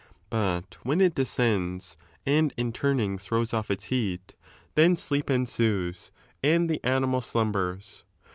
But when it descends and in turning Uirows off its heat, then sleep ensues and the animal slumbers.